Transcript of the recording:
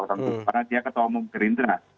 karena dia ketua umum gerindra